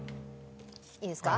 いいですか？